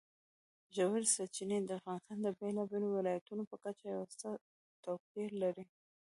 ژورې سرچینې د افغانستان د بېلابېلو ولایاتو په کچه یو څه توپیر لري.